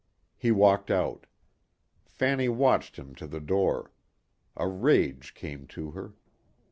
He walked out. Fanny watched him to the door. A rage came to her.